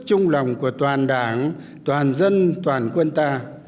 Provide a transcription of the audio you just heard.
chung lòng của toàn đảng toàn dân toàn quân ta